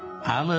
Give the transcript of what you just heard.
ああ。